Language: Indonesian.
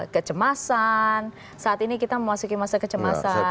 kecemasan saat ini kita memasuki masa kecemasan atau itu